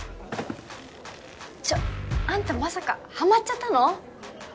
ちょっあんたまさかはまっちゃったの？